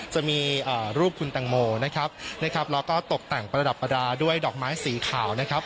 จะมีรูปคุณแตงโมนะครับนะครับแล้วก็ตกแต่งประดับประดาษด้วยดอกไม้สีขาวนะครับ